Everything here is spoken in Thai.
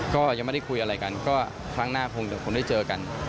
ก็ไม่ได้คุยอะไรกันก็ครั้งหน้าผมจะได้เจอกัน